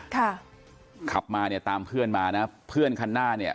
ค่ะขับมาเนี่ยตามเพื่อนมานะเพื่อนคันหน้าเนี่ย